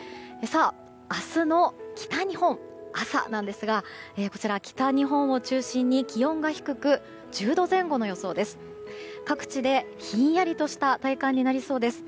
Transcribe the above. さあ、明日の北日本の朝なんですがこちら北日本を中心に気温が低く１０度前後の予想です。